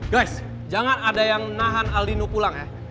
guys jangan ada yang menahan aldino pulang ya